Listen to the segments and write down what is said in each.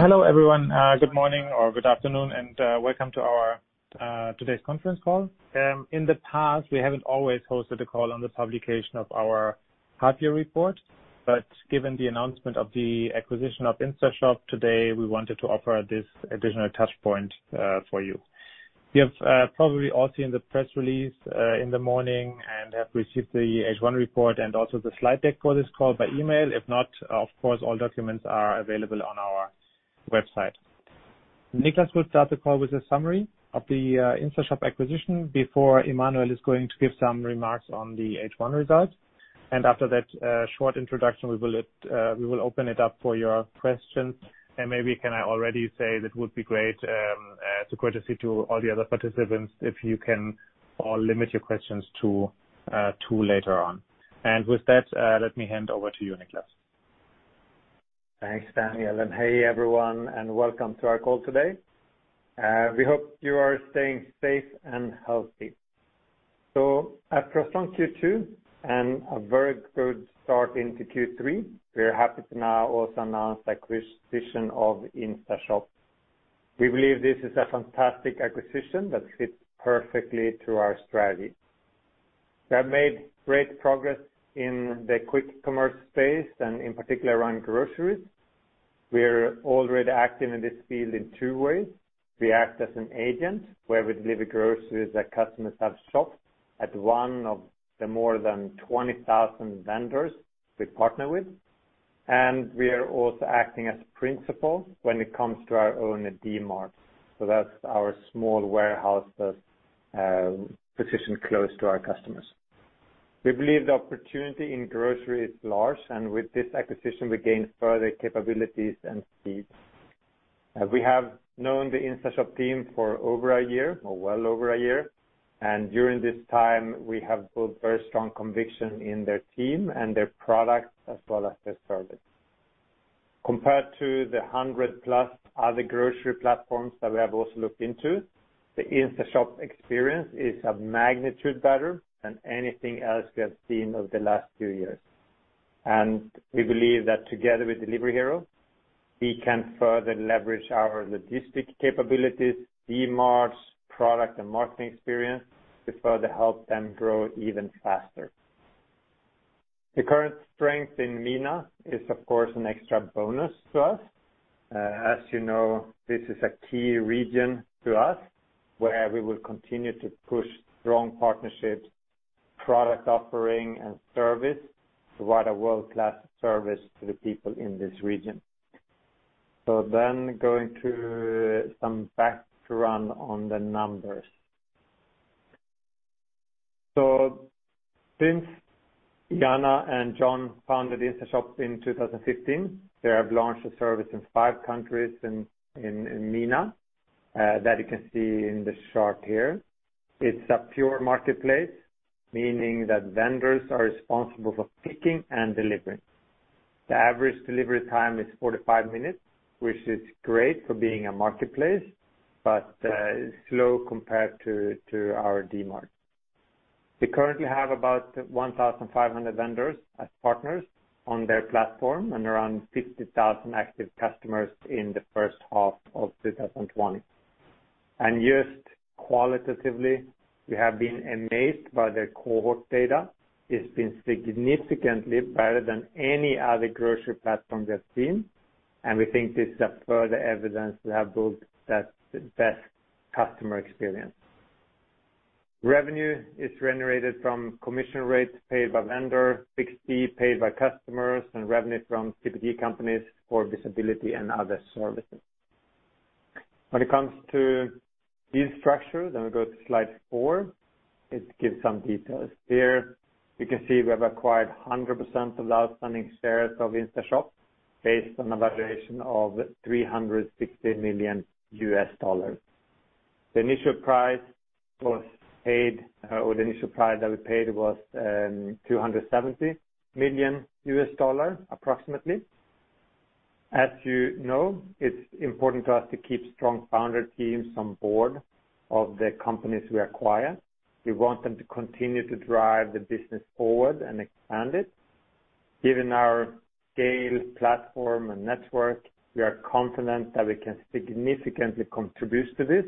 Hello everyone. Good morning or good afternoon, and welcome to our today's conference call. In the past, we haven't always hosted a call on the publication of our half-year report, but given the announcement of the acquisition of InstaShop today, we wanted to offer this additional touch point for you. You have probably all seen the press release in the morning and have received the H1 report and also the slide deck for this call by email. If not, of course, all documents are available on our website. Niklas will start the call with a summary of the InstaShop acquisition before Emmanuel is going to give some remarks on the H1 results. After that short introduction, we will open it up for your questions and maybe can I already say that it would be great as a courtesy to all the other participants if you can all limit your questions to two later on. With that, let me hand over to you, Niklas. Thanks, Daniel. Hey everyone, and welcome to our call today. We hope you are staying safe and healthy. After a strong Q2 and a very good start into Q3, we are happy to now also announce the acquisition of InstaShop. We believe this is a fantastic acquisition that fits perfectly to our strategy. We have made great progress in the quick commerce space and in particular around groceries. We are already active in this field in two ways. We act as an agent where we deliver groceries that customers have shopped at one of the more than 20,000 vendors we partner with, and we are also acting as principals when it comes to our own D-marts. That's our small warehouse that's positioned close to our customers. We believe the opportunity in grocery is large, and with this acquisition, we gain further capabilities and speed. We have known the InstaShop team for over a year or well over a year. During this time we have built very strong conviction in their team and their product as well as their service. Compared to the 100+ other grocery platforms that we have also looked into, the InstaShop experience is a magnitude better than anything else we have seen over the last two years. We believe that together with Delivery Hero, we can further leverage our logistic capabilities, Dmarts, product and marketing experience to further help them grow even faster. The current strength in MENA is, of course, an extra bonus to us. You know, this is a key region to us where we will continue to push strong partnerships, product offering, and service to provide a world-class service to the people in this region. Going to some background on the numbers. Since Jana and John founded InstaShop in 2015, they have launched a service in five countries in MENA, that you can see in this chart here. It's a pure marketplace, meaning that vendors are responsible for picking and delivering. The average delivery time is 45 minutes, which is great for being a marketplace, but slow compared to our Dmarts. We currently have about 1,500 vendors as partners on their platform and around 50,000 active customers in the first half of 2020. Just qualitatively, we have been amazed by their cohort data. It's been significantly better than any other grocery platform we have seen, and we think this is a further evidence we have built that best customer experience. Revenue is generated from commission rates paid by vendor, fixed fee paid by customers, and revenue from CPG companies for visibility and other services. When it comes to deal structure, then we go to slide four. It gives some details. Here you can see we have acquired 100% of the outstanding shares of InstaShop based on a valuation of $360 million. The initial price that we paid was $270 million approximately. As you know, it's important to us to keep strong founder teams on board of the companies we acquire. We want them to continue to drive the business forward and expand it. Given our scale, platform, and network, we are confident that we can significantly contribute to this,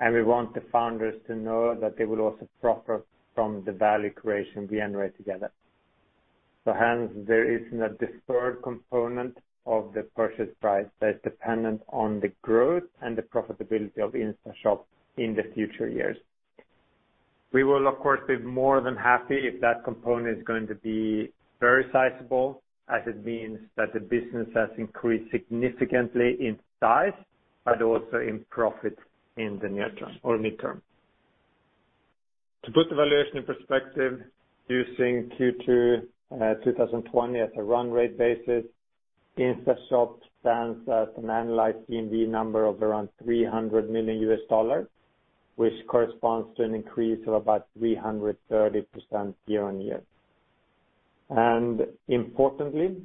and we want the founders to know that they will also profit from the value creation we generate together. Hence, there is a deferred component of the purchase price that's dependent on the growth and the profitability of InstaShop in the future years. We will of course be more than happy if that component is going to be very sizable, as it means that the business has increased significantly in size, but also in profit in the near term or midterm. To put the valuation in perspective, using Q2 2020 as a run rate basis, InstaShop stands at an annualized GMV number of around $300 million, which corresponds to an increase of about 330% year-on-year. Importantly,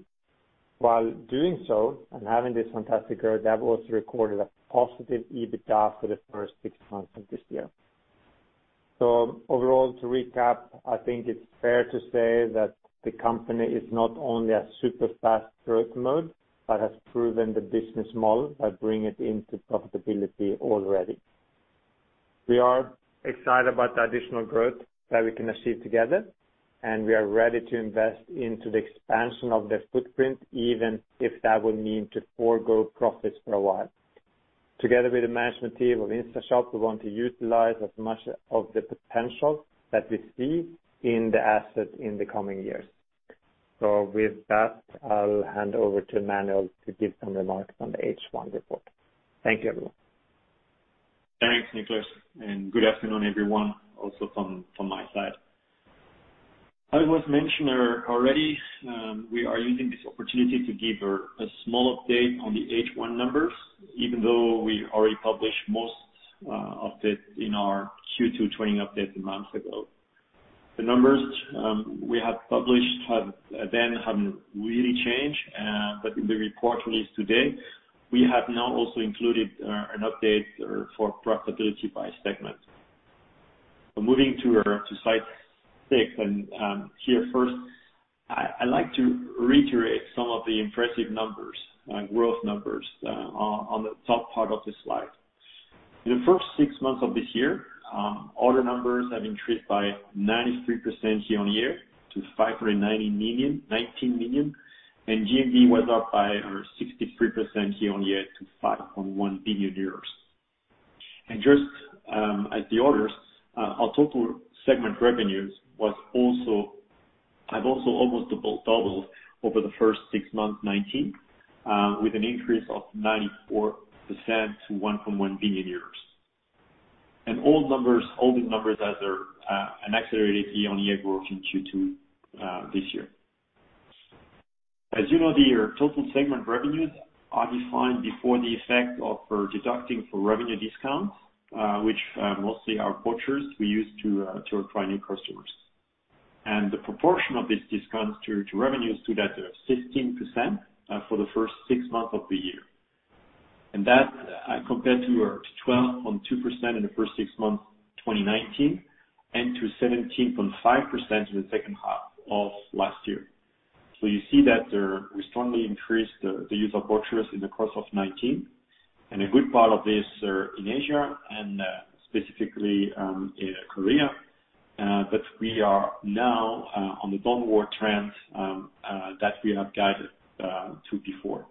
while doing so and having this fantastic growth, they have also recorded a positive EBITDA for the first six months of this year. Overall, to recap, I think it's fair to say that the company is not only a super fast growth mode, but has proven the business model by bringing it into profitability already. We are excited about the additional growth that we can achieve together, and we are ready to invest into the expansion of the footprint, even if that would mean to forego profits for a while. Together with the management team of InstaShop, we want to utilize as much of the potential that we see in the asset in the coming years. With that, I'll hand over to Emmanuel to give some remarks on the H1 report. Thank you, everyone. Thanks, Niklas, and good afternoon, everyone, also from my side. As was mentioned already, we are using this opportunity to give a small update on the H1 numbers, even though we already published most of this in our Q2 trading update months ago. The numbers we have published then haven't really changed, but in the report released today, we have now also included an update for profitability by segment. Moving to slide six, and here first, I'd like to reiterate some of the impressive numbers, growth numbers, on the top part of the slide. In the first six months of this year, order numbers have increased by 93% year-on-year to 519 million, and GMV was up by 63% year-on-year to 5.1 billion euros. Just as the orders, our total segment revenues have also almost doubled over the first six months 2019, with an increase of 94% to 1.1 billion euros. All these numbers as an accelerated year-on-year growth in Q2 this year. As you know, the total segment revenues are defined before the effect of deducting for revenue discounts, which mostly are vouchers we use to our retaining customers. The proportion of these discounts to revenues stood at 16% for the first six months of the year. That compared to our 12.2% in the first six months 2019 and to 17.5% in the second half of last year. You see that we strongly increased the use of vouchers in the course of 2019, and a good part of this in Asia, and specifically in Korea, but we are now on the downward trend that we have guided to before.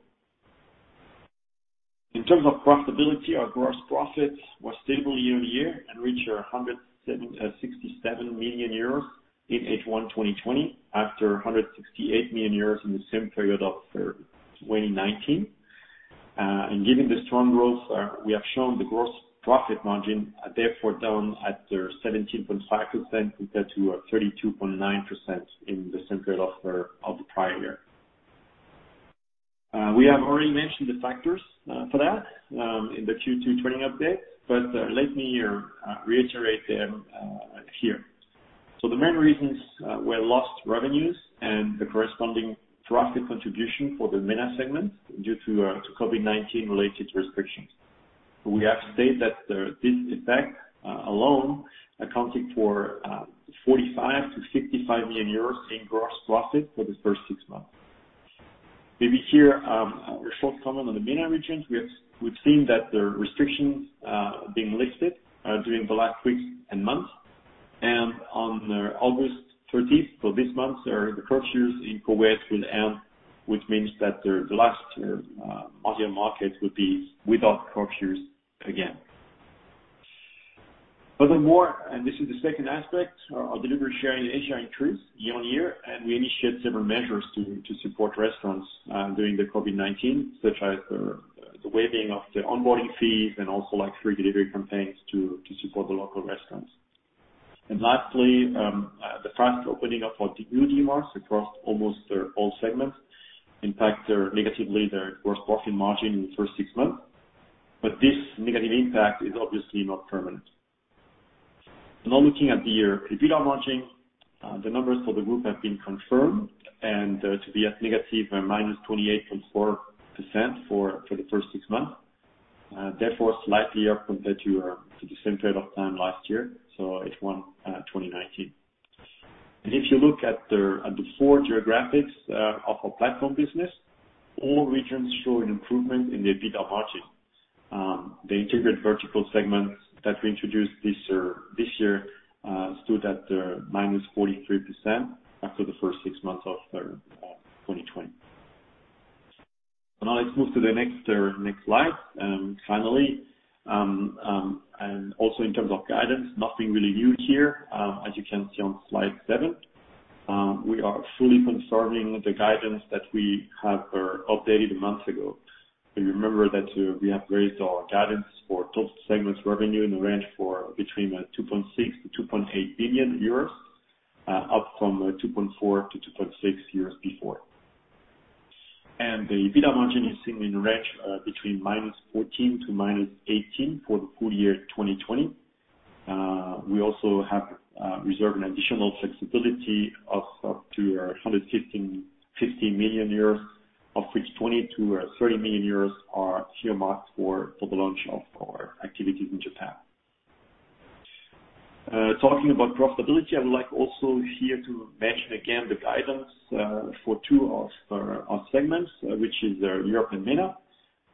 In terms of profitability, our gross profit was stable year-on-year and reached 167 million euros in H1 2020 after 168 million euros in the same period of 2019. Given the strong growth we have shown, the gross profit margin therefore down at 17.5% compared to our 32.9% in the same period of the prior year. We have already mentioned the factors for that in the Q2 trading update, but let me reiterate them here. The main reasons were lost revenues and the corresponding drastic contribution for the MENA segment due to COVID-19 related restrictions. We have stated that this effect alone accounted for 45 million-55 million euros in gross profit for the first six months. Maybe here, a short comment on the MENA region. We've seen that the restrictions are being lifted during the last weeks and months, and on August 30th, so this month, the curfews in Kuwait will end, which means that the last Asian market will be without curfews again. Furthermore, and this is the second aspect, our delivery share in Asia increased year-on-year, and we initiated several measures to support restaurants during the COVID-19, such as the waiving of the onboarding fees and also free delivery campaigns to support the local restaurants. Lastly, the fast opening up of new markets across almost all segments impacted negatively the gross profit margin in the first six months. This negative impact is obviously not permanent. Looking at the EBITDA margin, the numbers for the group have been confirmed to be at negative -28.4% for the first six months. Slightly up compared to the same period of time last year, so H1 2019. If you look at the four geographics of our platform business, all regions show an improvement in the EBITDA margin. The Integrated Verticals segment that we introduced this year stood at -43% after the first six months of 2020. Let's move to the next slide. Finally, and also in terms of guidance, nothing really new here, as you can see on slide seven. We are fully confirming the guidance that we have updated months ago. If you remember that we have raised our guidance for total segments revenue in the range for between 2.6 billion-2.8 billion euros, up from 2.4 billion-2.6 billion years before. The EBITDA margin is seen in range between -14% to -18% for the full year 2020. We also have Reserve an additional flexibility of up to 150 million, of which 20 million to 30 million are earmarked for the launch of our activities in Japan. Talking about profitability, I would like also here to mention again the guidance for two of our segments, which is Europe and MENA.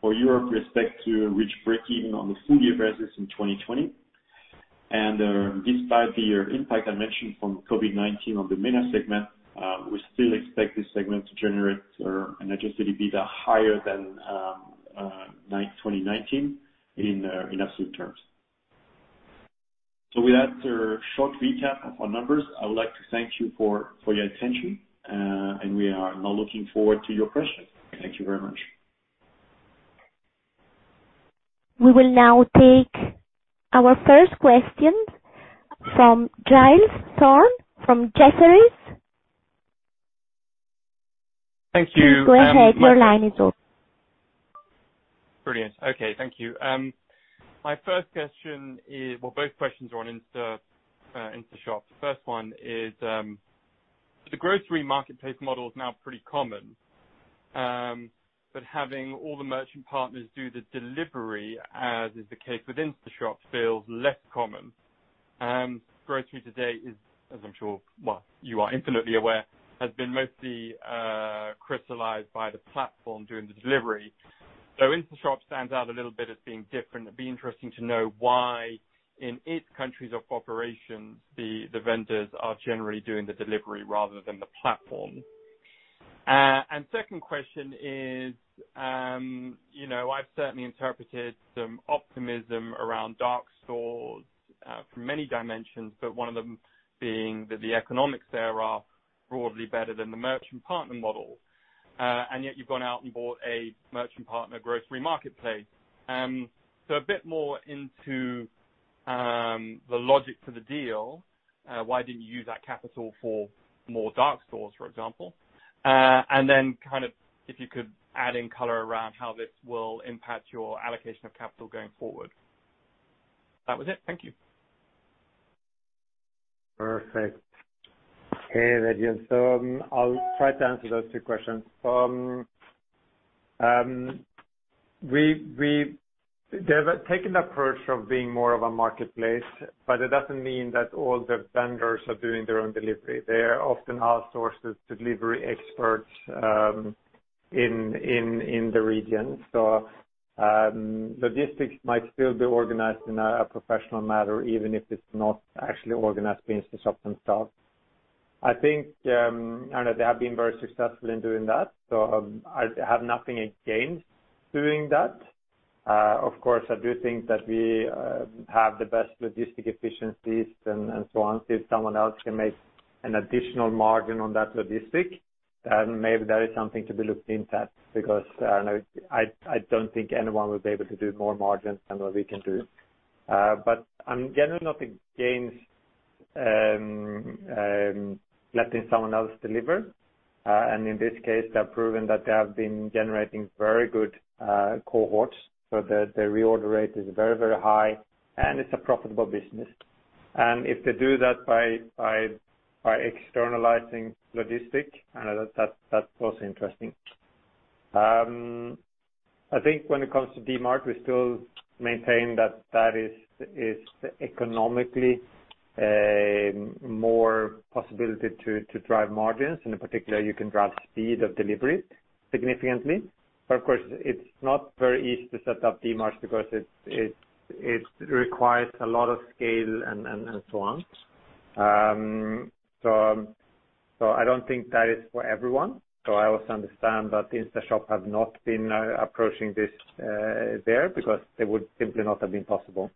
For Europe, we expect to reach breakeven on a full-year basis in 2020. Despite the impact I mentioned from COVID-19 on the MENA segment, we still expect this segment to generate an adjusted EBITDA higher than 2019 in absolute terms. With that short recap of our numbers, I would like to thank you for your attention, and we are now looking forward to your questions. Thank you very much. We will now take our first question from Giles Thorne from Jefferies. Thank you. Please go ahead. Your line is open. Brilliant. Okay, thank you. My first question is Well, both questions are on InstaShop. The first one is, the grocery marketplace model is now pretty common, but having all the merchant partners do the delivery, as is the case with InstaShop, feels less common. Grocery today is, as I'm sure you are infinitely aware, has been mostly crystallized by the platform doing the delivery. InstaShop stands out a little bit as being different. It'd be interesting to know why, in its countries of operations, the vendors are generally doing the delivery rather than the platform. Second question is, I've certainly interpreted some optimism around dark stores from many dimensions, but one of them being that the economics there are broadly better than the merchant partner model. Yet you've gone out and bought a merchant partner grocery marketplace. A bit more into the logic for the deal. Why didn't you use that capital for more dark stores, for example? If you could add in color around how this will impact your allocation of capital going forward? That was it. Thank you. Perfect. Hey, Giles. I'll try to answer those two questions. They've taken the approach of being more of a marketplace, it doesn't mean that all the vendors are doing their own delivery. They often outsource to delivery experts in the region. Logistics might still be organized in a professional manner, even if it's not actually organized by InstaShop themselves. I think they have been very successful in doing that, I have nothing against doing that. Of course, I do think that we have the best logistic efficiencies and so on. If someone else can make an additional margin on that logistic, maybe that is something to be looked into, because I don't think anyone will be able to do more margins than what we can do. I generally think gains letting someone else deliver, and in this case, they have proven that they have been generating very good cohorts, so their reorder rate is very high, and it's a profitable business. If they do that by externalizing logistics, that's also interesting. I think when it comes to Dmart, we still maintain that that is economically more possibility to drive margins, and in particular, you can drive speed of delivery significantly. Of course, it's not very easy to set up Dmart because it requires a lot of scale and so on. I don't think that is for everyone. I also understand that InstaShop have not been approaching this there because it would simply not have been possible.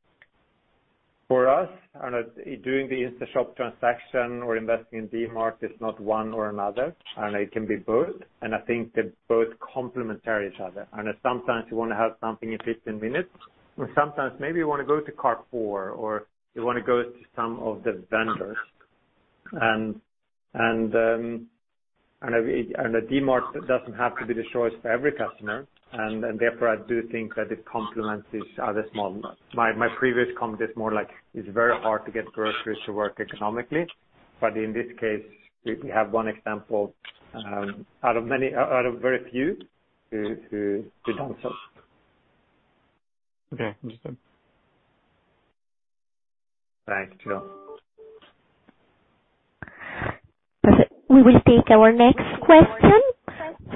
For us, doing the InstaShop transaction or investing in Dmart is not one or another, it can be both. I think they both complement each other. Sometimes you want to have something in 15 minutes, or sometimes maybe you want to go to Carrefour or you want to go to some of the vendors. Dmart doesn't have to be the choice for every customer, and therefore I do think that it complements this other small. My previous comment is more like it's very hard to get groceries to work economically. In this case, we have one example out of very few to do that. Okay. Understood. Thanks, Giles. We will take our next question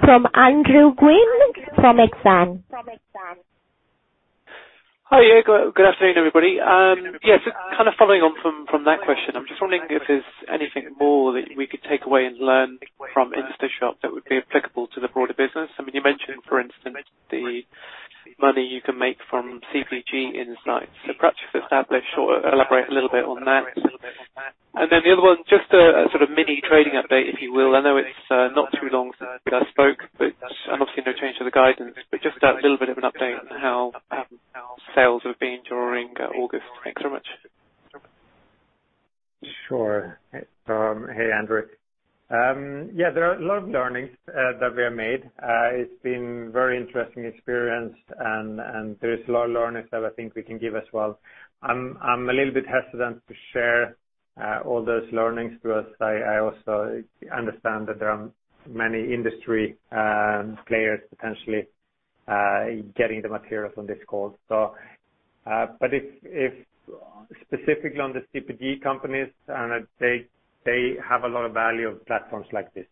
from Andrew Gwynn from Exane. Hi. Good afternoon, everybody. So kind of following on from that question. I'm just wondering if there's anything more that we could take away and learn from InstaShop that would be applicable to the broader business. You mentioned, for instance, the money you can make from CPG insights. Perhaps just elaborate a little bit on that. The other one, just a sort of mini trading update, if you will. I know it's not too long since we last spoke, but obviously no change to the guidance, just a little bit of an update on how sales have been during August. Thanks so much. Sure. Hey, Andrew. Yeah, there are a lot of learnings that we have made. It's been very interesting experience. There is a lot of learnings that I think we can give as well. I'm a little bit hesitant to share all those learnings because I also understand that there are many industry players potentially getting the materials on this call. Specifically on the CPG companies, they have a lot of value of platforms like this.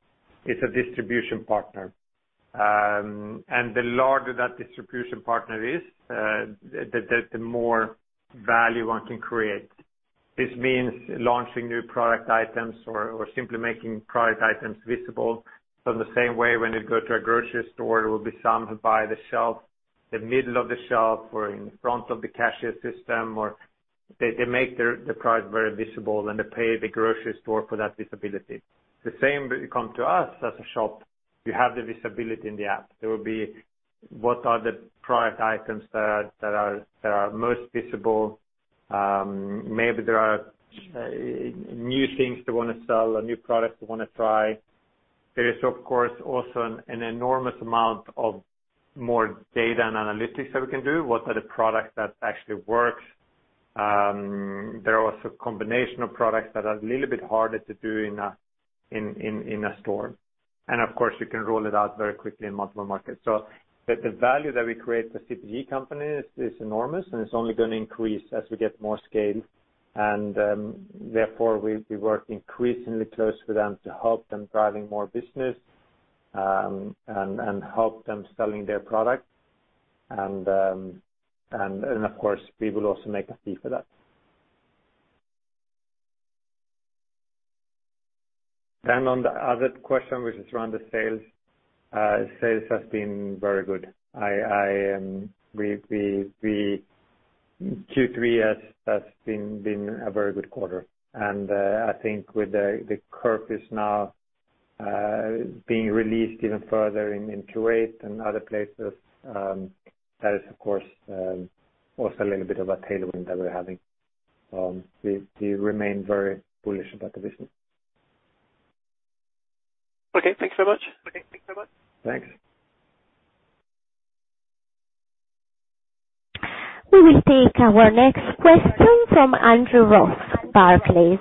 It's a distribution partner. The larger that distribution partner is, the more value one can create. This means launching new product items or simply making product items visible. In the same way, when you go to a grocery store, it will be some by the shelf, the middle of the shelf, or in front of the cashier system, or they make the product very visible, and they pay the grocery store for that visibility. The same when you come to us as a shop, you have the visibility in the app. There will be what are the product items that are most visible. Maybe there are new things they want to sell or new products they want to try. There is, of course, also an enormous amount of more data and analytics that we can do. What are the products that actually work? There are also combination of products that are a little bit harder to do in a store. Of course, you can roll it out very quickly in multiple markets. The value that we create for CPG companies is enormous, and it's only going to increase as we get more scale. Therefore, we work increasingly close with them to help them driving more business, and help them selling their product. Of course, we will also make a fee for that. On the other question, which is around the sales. Sales has been very good. Q3 has been a very good quarter, and I think with the curfews now being released even further in Kuwait and other places, that is, of course, also a little bit of a tailwind that we're having. We remain very bullish about the business. Okay, thanks so much. Thanks. We will take our next question from Andrew Ross, Barclays.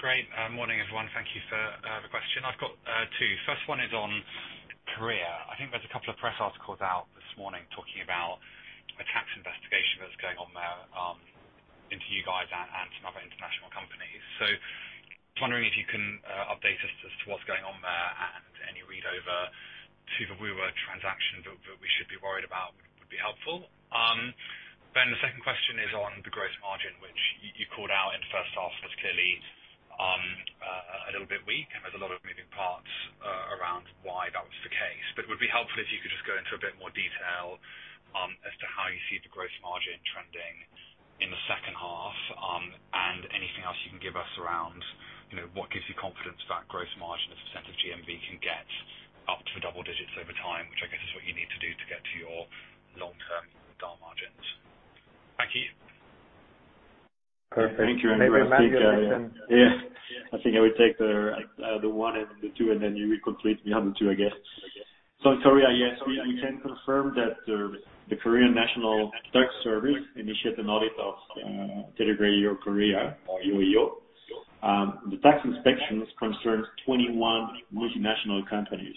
Great. Morning, everyone. Thank you for the question. I've got two. First one is on Korea. I think there's a couple of press articles out this morning talking about a tax investigation that's going on there into you guys and some other international companies. I was wondering if you can update us as to what's going on there, and any read over to the Woowa transaction that we should be worried about would be helpful. The second question is on the gross margin, which you called out in the first half as clearly a little bit weak, and there's a lot of moving parts around why that was the case. It would be helpful if you could just go into a bit more detail as to how you see the gross margin trending in the second half. Anything else you can give us around what gives you confidence that gross margin as a % of GMV can get up to double digits over time, which I guess is what you need to do to get to your long-term DAL margins. Thank you. I think you're in the thick of it. Yeah. I think I will take the one and the two, and then you will complete the other two, I guess. In Korea, yes, we can confirm that the Korean National Tax Service initiate an audit of Delivery Hero Korea or Yogiyo. The tax inspections concerns 21 multinational companies.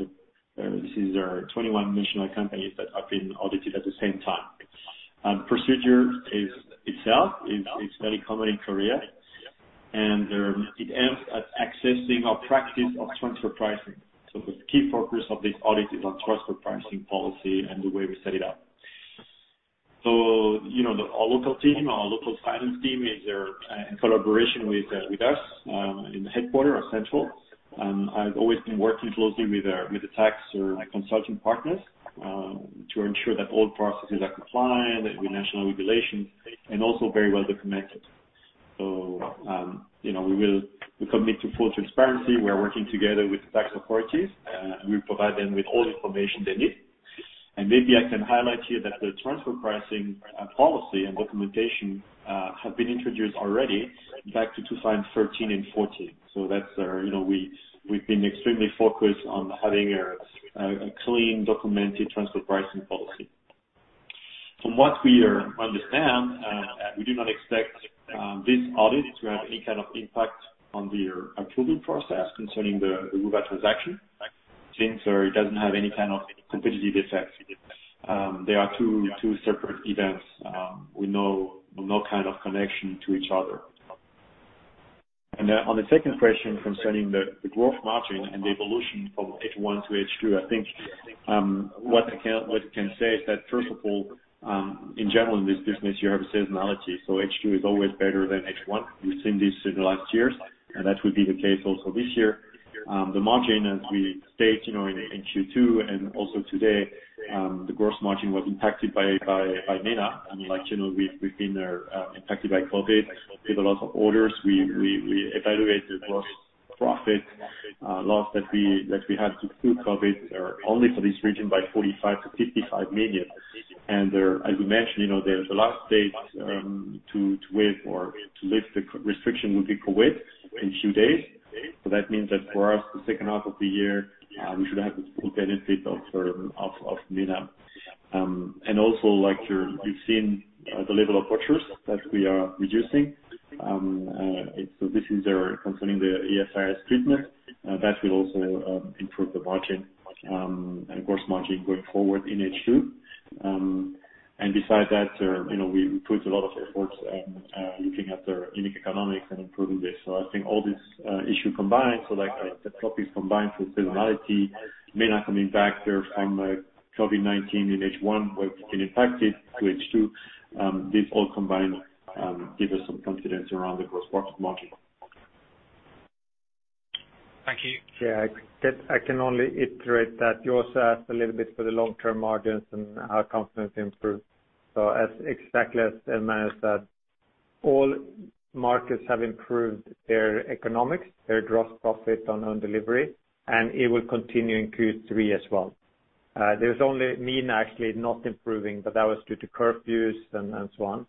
This is 21 multinational companies that have been audited at the same time. Procedure itself is very common in Korea, and it aims at assessing our practice of transfer pricing. The key focus of this audit is on transfer pricing policy and the way we set it up. Our local team, our local finance team, is in collaboration with us in the headquarters or central. I've always been working closely with the tax or my consulting partners to ensure that all processes are compliant with national regulations and also very well documented. We commit to full transparency. We are working together with the tax authorities. We provide them with all information they need. Maybe I can highlight here that the transfer pricing policy and documentation have been introduced already back to 2013 and 2014. We've been extremely focused on having a clean, documented transfer pricing policy. From what we understand, we do not expect this audit to have any kind of impact on the approval process concerning the Woowa transaction since it doesn't have any kind of competitive effect. They are two separate events with no kind of connection to each other. On the second question concerning the growth margin and the evolution from H1 to H2, I think what I can say is that first of all, in general in this business you have a seasonality. H2 is always better than H1. We've seen this in the last years, and that will be the case also this year. The margin, as we state in Q2 and also today, the gross margin was impacted by MENA. Like you know, we've been impacted by COVID with a lot of orders. We evaluate the gross profit loss that we had due to COVID-19 are only for this region by 45 million-55 million. As we mentioned, the last date to wait or to lift the restriction will be Kuwait in few days. That means that for us, the second half of the year, we should have the full benefit of MENA. Also, you've seen the level of vouchers that we are reducing. This is concerning the IFRS treatment. That will also improve the margin, and gross margin going forward in H2. Beside that, we put a lot of efforts looking at the unique economics and improving this. I think all these issues combined, the topics combined with seasonality, MENA coming back from COVID-19 in H1 where it's been impacted to H2. These all combined give us some confidence around the gross profit margin. Thank you. Yeah, I can only iterate that you also asked a little bit for the long-term margins and our confidence improved. Exactly as Emmanuel said, all markets have improved their economics, their gross profit on delivery, and it will continue in Q3 as well. There's only MENA actually not improving, but that was due to curfews and so on.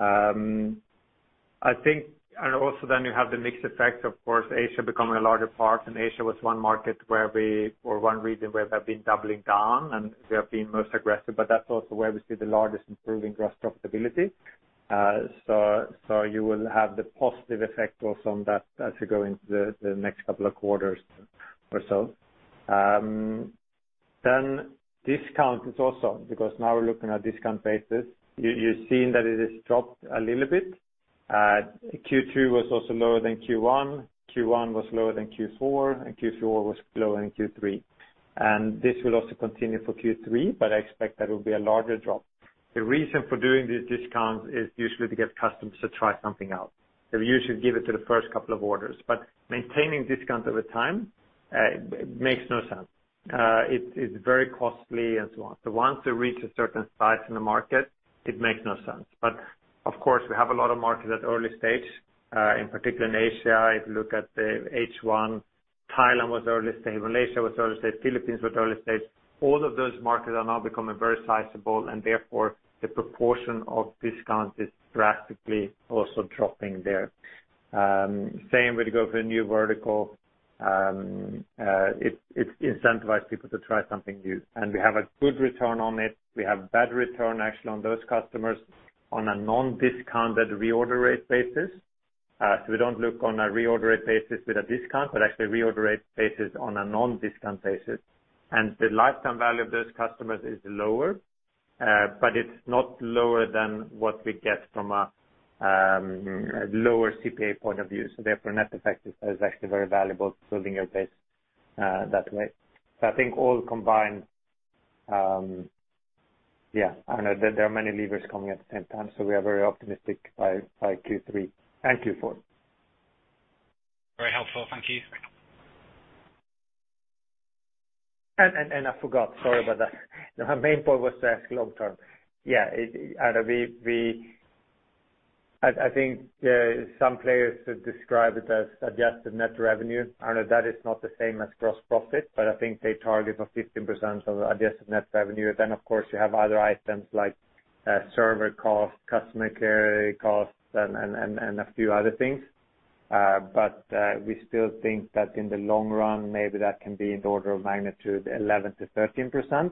I think, you have the mixed effect, of course, Asia becoming a larger part, and Asia was one market where we, or one region where we have been doubling down and we have been most aggressive, but that's also where we see the largest improving gross profitability. You will have the positive effect also on that as we go into the next couple of quarters or so. Discount is also, because now we're looking at discount basis. You've seen that it has dropped a little bit. Q2 was also lower than Q1. Q1 was lower than Q4, and Q4 was lower than Q3. This will also continue for Q3, but I expect that it will be a larger drop. The reason for doing these discounts is usually to get customers to try something out. We usually give it to the first couple of orders. Maintaining discounts over time makes no sense. It is very costly and so on. Once you reach a certain size in the market, it makes no sense. Of course, we have a lot of markets at early stage, in particular in Asia. If you look at the H1, Thailand was early stage, Malaysia was early stage, Philippines was early stage. All of those markets are now becoming very sizable, and therefore, the proportion of discounts is drastically also dropping there. Same way to go for a new vertical. It incentivize people to try something new. We have a good return on it. We have bad return actually on those customers on a non-discounted reorder rate basis. We don't look on a reorder rate basis with a discount, but actually reorder rate basis on a non-discount basis. The lifetime value of those customers is lower, but it's not lower than what we get from a lower CPA point of view. Therefore, net effect is actually very valuable to building your base that way. I think all combined, yeah, I know there are many levers coming at the same time, so we are very optimistic by Q3 and Q4. Very helpful. Thank you. I forgot, sorry about that. Her main point was to ask long term. Yeah. I think some players describe it as adjusted net revenue. I know that is not the same as gross profit, but I think they target of 15% of adjusted net revenue. Of course, you have other items like server costs, customer care costs, and a few other things. We still think that in the long run, maybe that can be in the order of magnitude 11%-13%.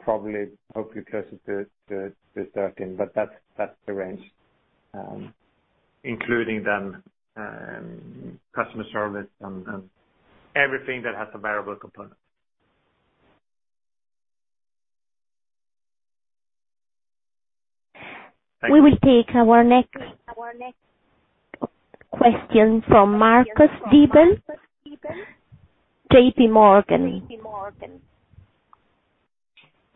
Probably, hopefully closer to 13, but that's the range. Including then customer service and everything that has a variable component. Thank you. We will take our next question from Marcus Diebel, JPMorgan.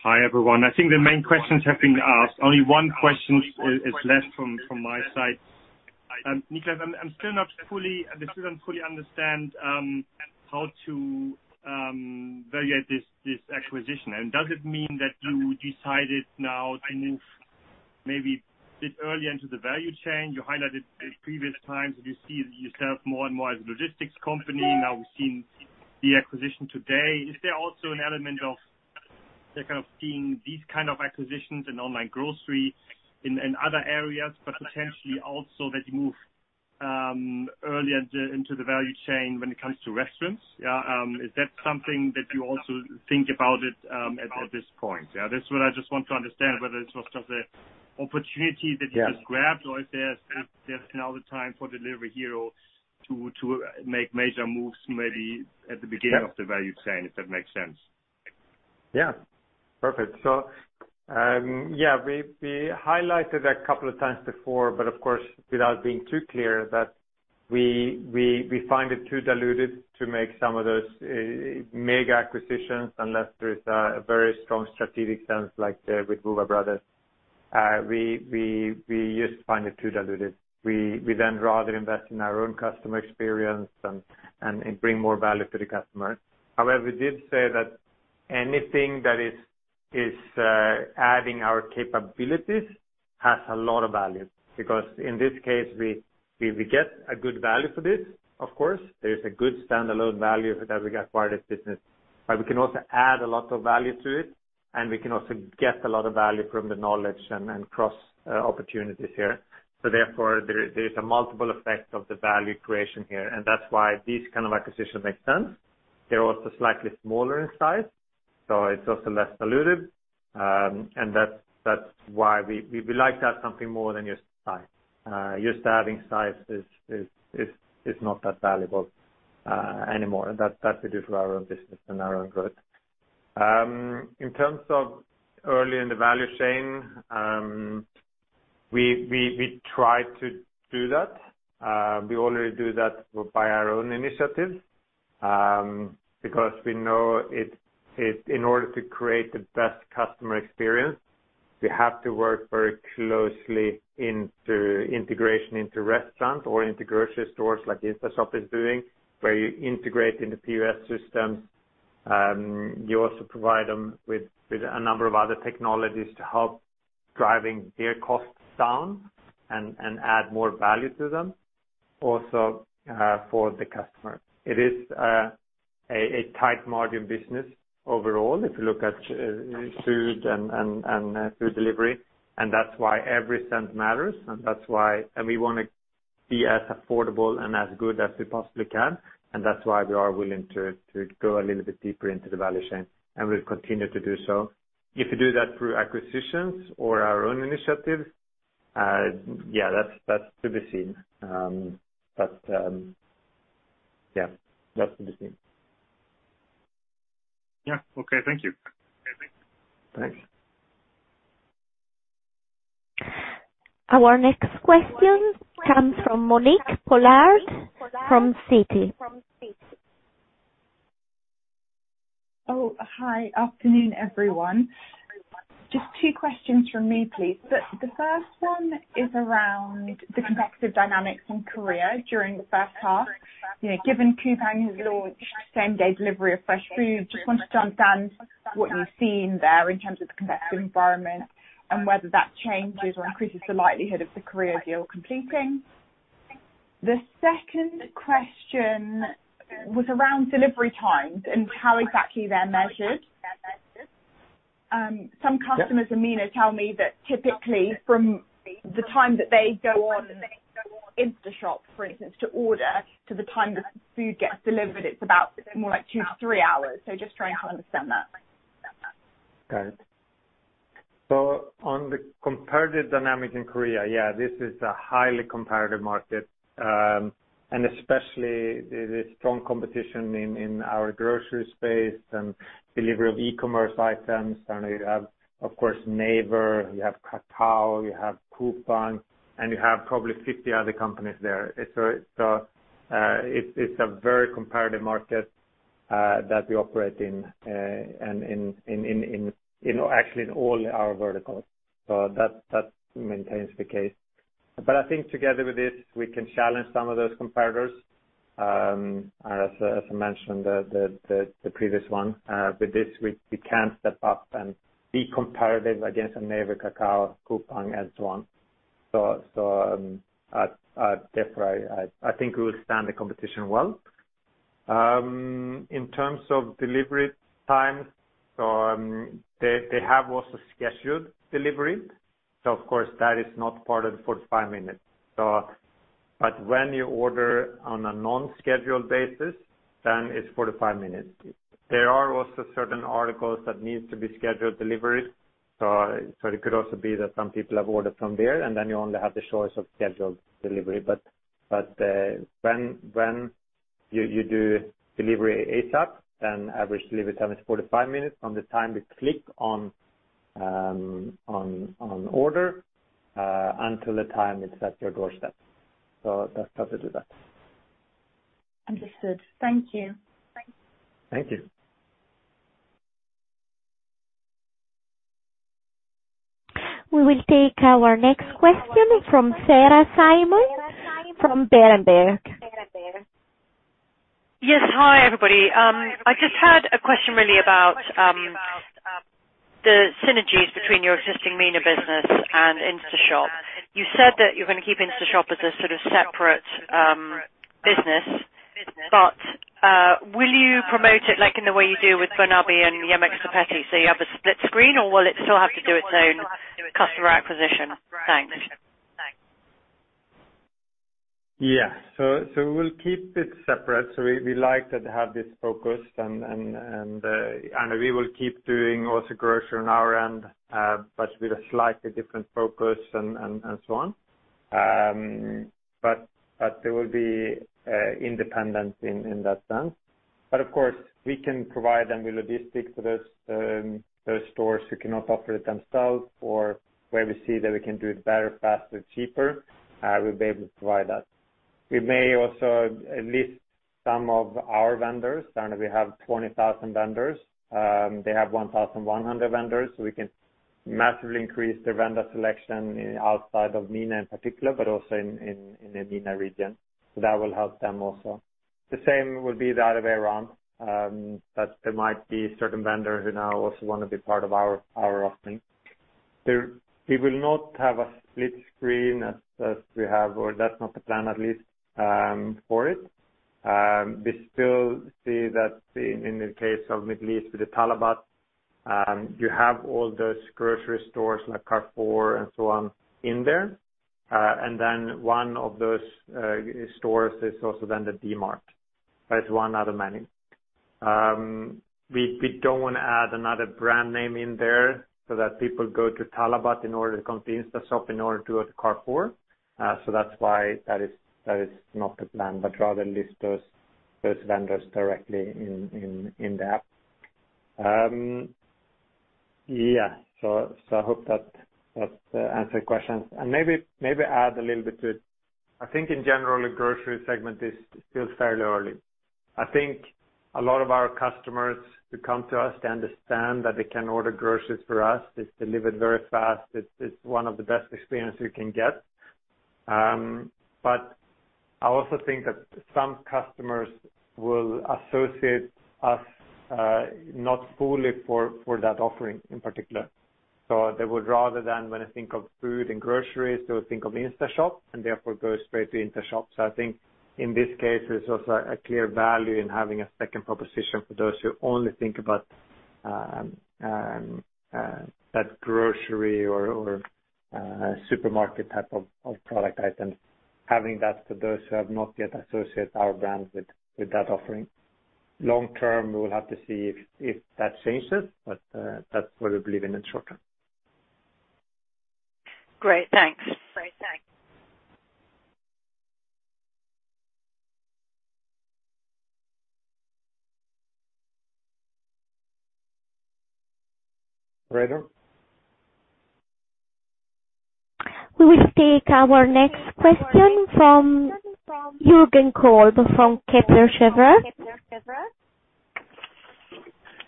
Hi, everyone. I think the main questions have been asked. Only one question is left from my side. Niklas, I still don't fully understand how to value this acquisition. Does it mean that you decided now to move maybe a bit early into the value chain? You highlighted previous times that you see yourself more and more as a logistics company. Now we've seen the acquisition today. Is there also an element of the kind of seeing these kind of acquisitions and online grocery in other areas, but potentially also that you move earlier into the value chain when it comes to restaurants? Is that something that you also think about it at this point? That's what I just want to understand, whether this was just an opportunity that you just grabbed or if there's now the time for Delivery Hero to make major moves maybe at the beginning of the value chain, if that makes sense. Yeah. Perfect. Yeah, we highlighted a couple of times before, but of course, without being too clear that we find it too diluted to make some of those mega acquisitions unless there's a very strong strategic sense like with Woowa Brothers. We just find it too diluted. We rather invest in our own customer experience and bring more value to the customer. However, we did say that anything that is adding our capabilities has a lot of value because in this case, we get a good value for this, of course. There is a good standalone value that we acquired this business. We can also add a lot of value to it, and we can also get a lot of value from the knowledge and cross opportunities here. Therefore, there is a multiple effect of the value creation here, and that's why these kind of acquisitions make sense. They're also slightly smaller in size, so it's also less dilutive, and that's why we like to have something more than just size. Just having size is not that valuable anymore, and that we do for our own business and our own growth. In terms of early in the value chain, we try to do that. We already do that by our own initiative, because we know in order to create the best customer experience, we have to work very closely into integration into restaurants or into grocery stores like InstaShop is doing, where you integrate in the POS systems. You also provide them with a number of other technologies to help driving their costs down and add more value to them also for the customer. It is a tight margin business overall if you look at food and food delivery, and that's why every cent matters, and we want to be as affordable and as good as we possibly can. That's why we are willing to go a little bit deeper into the value chain, and we'll continue to do so. If we do that through acquisitions or our own initiatives, that's to be seen. Yeah. That's to be seen. Yeah. Okay. Thank you. Thanks. Our next question comes from Monique Pollard from Citi. Oh, hi. Afternoon, everyone. Just two questions from me, please. The first one is around the competitive dynamics in Korea during the first half. Given Coupang has launched same-day delivery of fresh food, just wanted to understand what you're seeing there in terms of the competitive environment and whether that changes or increases the likelihood of the Korea deal completing. The second question was around delivery times and how exactly they're measured. in MENA tell me that typically from the time that they go on InstaShop, for instance, to order to the time the food gets delivered, it's about more like two to three hours. Just trying to understand that. Got it. On the competitive dynamic in Korea, yeah, this is a highly competitive market, and especially the strong competition in our grocery space and delivery of e-commerce items. You have, of course, Naver, you have Kakao, you have Coupang, and you have probably 50 other companies there. It's a very competitive market that we operate in, actually in all our verticals. That maintains the case. I think together with this, we can challenge some of those competitors. As I mentioned the previous one with this, we can step up and be competitive against Naver, Kakao, Coupang and so on. Definitely, I think we will stand the competition well. In terms of delivery time, they have also scheduled delivery. Of course, that is not part of the 45 minutes. When you order on a non-scheduled basis, then it's 45 minutes. There are also certain articles that need to be scheduled deliveries. It could also be that some people have ordered from there, and then you only have the choice of scheduled delivery. When you do delivery ASAP, then average delivery time is 45 minutes from the time you click on order, until the time it's at your doorstep. That's how to do that. Understood. Thank you. Thank you. We will take our next question from Sarah Simon from Berenberg. Yes. Hi, everybody. I just had a question really about the synergies between your existing MENA business and InstaShop. You said that you're going to keep InstaShop as a sort of separate business, but will you promote it like in the way you do with Burnaby and Yemeksepeti? You have a split screen, or will it still have to do its own customer acquisition? Thanks. Yeah. We'll keep it separate. We like to have this focused, and we will keep doing also grocery on our end, but with a slightly different focus and so on. They will be independent in that sense. Of course, we can provide them with logistics for those stores who cannot offer it themselves or where we see that we can do it better, faster, cheaper, we'll be able to provide that. We may also list some of our vendors. Remember we have 20,000 vendors. They have 1,100 vendors. We can massively increase their vendor selection outside of MENA in particular, but also in the MENA region. That will help them also. The same will be that of Iran, that there might be certain vendors who now also want to be part of our offering. We will not have a split screen as we have, or that's not the plan, at least, for it. We still see that in the case of Middle East with the Talabat, you have all those grocery stores like Carrefour and so on in there. One of those stores is also then the Dmart, but it's one out of many. We don't want to add another brand name in there so that people go to Talabat in order to come to InstaShop in order to go to Carrefour. That's why that is not the plan, but rather list those vendors directly in the app. Yeah. I hope that answered the question. Maybe add a little bit to it. I think in general, the grocery segment is still fairly early. I think a lot of our customers who come to us, they understand that they can order groceries for us. It's delivered very fast. It's one of the best experience you can get. I also think that some customers will associate us not fully for that offering in particular. They would rather than when they think of food and groceries, they would think of InstaShop and therefore go straight to InstaShop. I think in this case, there's also a clear value in having a second proposition for those who only think about that grocery or supermarket type of product item, having that for those who have not yet associated our brand with that offering. Long-term, we will have to see if that changes, but that's what we believe in the short-term Great. Thanks. Fredo? We will take our next question from Jürgen Kolb from Kepler Cheuvreux.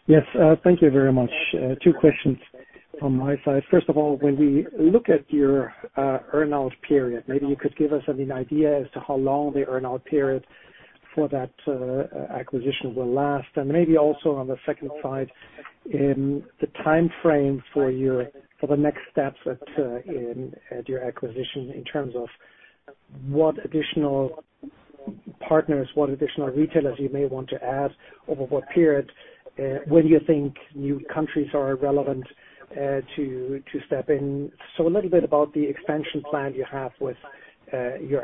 Yes. Thank you very much. Two questions from my side. First of all, when we look at your earn-out period, maybe you could give us an idea as to how long the earn-out period for that acquisition will last, and maybe also on the second side, in the timeframe for the next steps at your acquisition in terms of what additional partners, what additional retailers you may want to add, over what period, when you think new countries are relevant to step in. A little bit about the expansion plan you have with your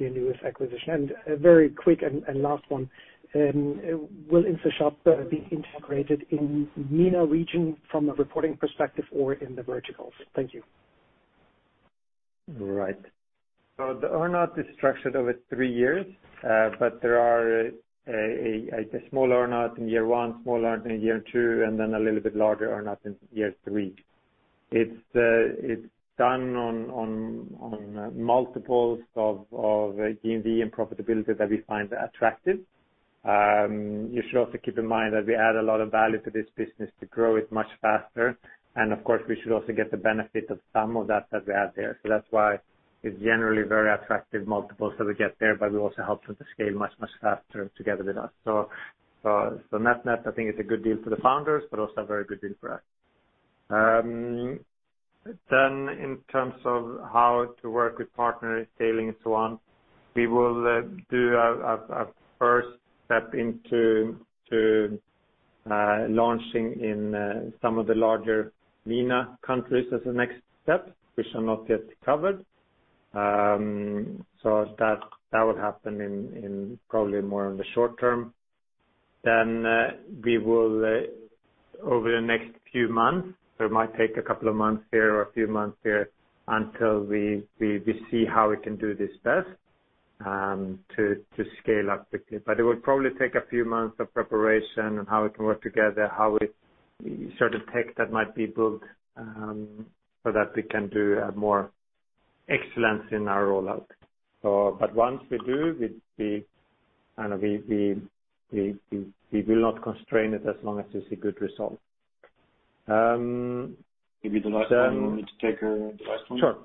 newest acquisition. A very quick and last one, will InstaShop be integrated in MENA region from a reporting perspective or in the Integrated Verticals? Thank you. Right. The earn-out is structured over three years. There are a small earn-out in year one, small earn-out in year two, and then a little bit larger earn-out in year three. It's done on multiples of GMV and profitability that we find attractive. You should also keep in mind that we add a lot of value to this business to grow it much faster. Of course, we should also get the benefit of some of that we add there. That's why it's generally very attractive multiples that we get there, but we also help them to scale much faster together with us. Net-net, I think it's a good deal for the founders, but also a very good deal for us. In terms of how to work with partners, scaling, and so on, we will do our first step into launching in some of the larger MENA countries as the next step, which are not yet covered. That will happen probably more in the short term. We will, over the next few months, so it might take a couple of months here or a few months there until we see how we can do this best, to scale up quickly. It will probably take a few months of preparation on how we can work together, certain tech that might be built so that we can do more excellence in our rollout. Once we do, we will not constrain it as long as it's a good result. Maybe the last one. You want me to take the last one? Sure.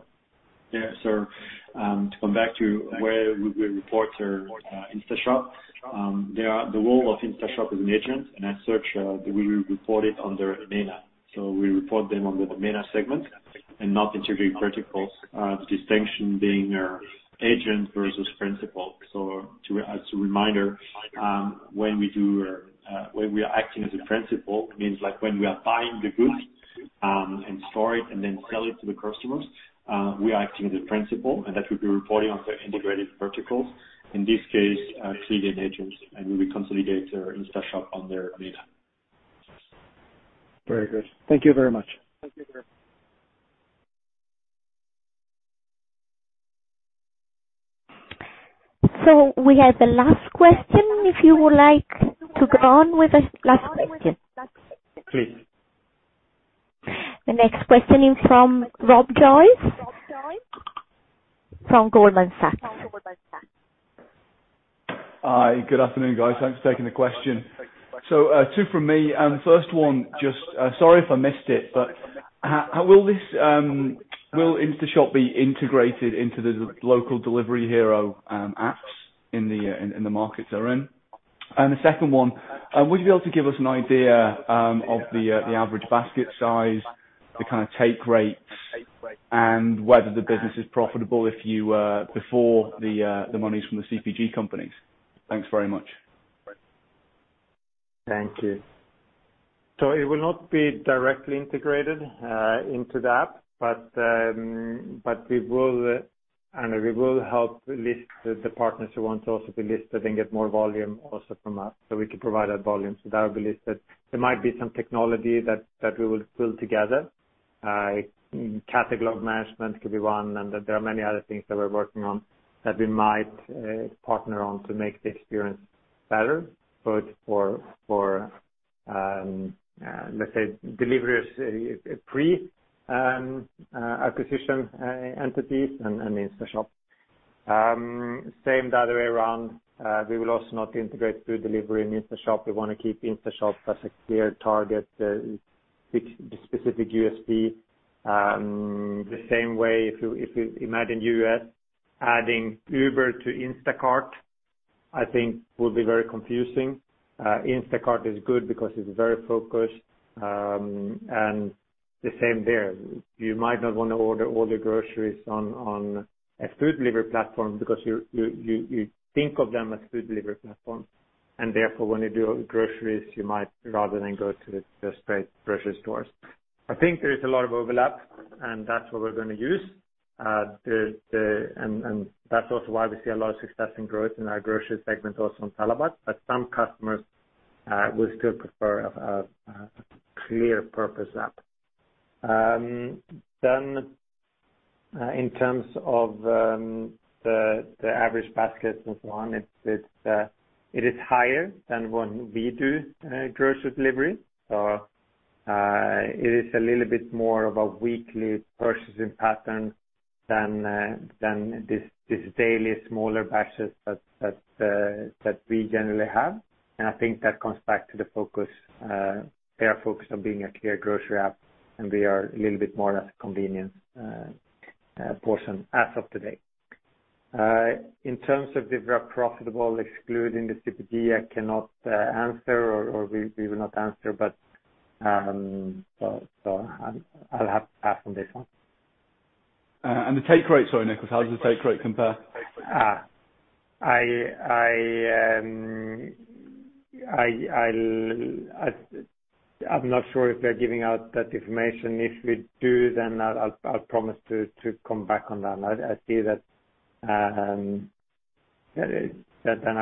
Yeah. To come back to where we report our InstaShop. The role of InstaShop is an agent, and as such, we will report it under MENA. We report them under the MENA segment and not Integrated Verticals. The distinction being agent versus principal. As a reminder, when we are acting as a principal, it means when we are buying the goods and store it and then sell it to the customers, we are acting as a principal, and that will be reporting under Integrated Verticals. In this case, clearly an agent, and we will consolidate our InstaShop under MENA. Very good. Thank you very much. We have the last question, if you would like to go on with the last question. Please. The next question is from Rob Joyce from Goldman Sachs. Hi. Good afternoon, guys. Thanks for taking the question. Two from me, and the first one, just sorry if I missed it, but will InstaShop be integrated into the local Delivery Hero apps in the markets they're in? The second one, would you be able to give us an idea of the average basket size, the kind of take rates, and whether the business is profitable before the monies from the CPG companies? Thanks very much. Thank you. It will not be directly integrated into the app, but we will help list the partners who want also to be listed and get more volume also from us, so we can provide that volume. That will be listed. There might be some technology that we will build together. Category management could be one, and there are many other things that we're working on that we might partner on to make the experience better, both for, let's say, deliveries pre-acquisition entities and InstaShop. Same the other way around. We will also not integrate food delivery in InstaShop. We want to keep InstaShop as a clear target, the specific USP. The same way, if you imagine U.S. adding Uber to Instacart, I think will be very confusing. Instacart is good because it's very focused, and the same there. You might not want to order all the groceries on a food delivery platform because you think of them as food delivery platform, and therefore, when you do groceries, you might rather than go to the straight grocery stores. I think there is a lot of overlap, and that's what we're going to use. That's also why we see a lot of success and growth in our grocery segment also on Talabat, but some customers will still prefer a clear purpose app. In terms of the average baskets and so on, it is higher than when we do grocery delivery. It is a little bit more of a weekly purchasing pattern than these daily smaller batches that we generally have. I think that comes back to their focus on being a clear grocery app, and we are a little bit more of a convenience portion as of today. In terms of if we are profitable excluding the CPG, I cannot answer or we will not answer. I'll have to pass on this one. The take rate, sorry, Niklas, how does the take rate compare? I'm not sure if they're giving out that information. If we do, then I'll promise to come back on that. I'll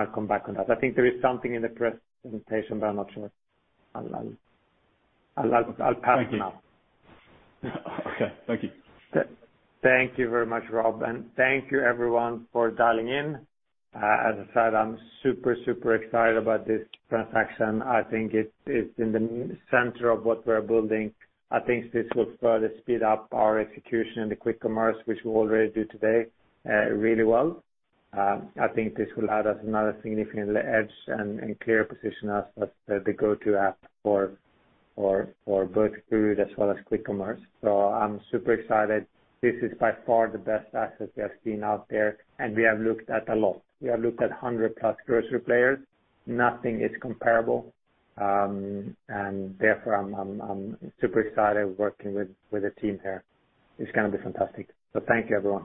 come back on that. I think there is something in the presentation, but I'm not sure. I'll pass for now. Okay. Thank you. Thank you very much, Rob. Thank you everyone for dialing in. As I said, I'm super excited about this transaction. I think it's in the center of what we're building. I think this will further speed up our execution in the quick commerce, which we already do today really well. I think this will add us another significant edge and clearly position us as the go-to app for both food as well as quick commerce. I'm super excited. This is by far the best asset we have seen out there, and we have looked at a lot. We have looked at 100+ grocery players. Nothing is comparable. Therefore, I'm super excited working with the team here. It's going to be fantastic. Thank you, everyone.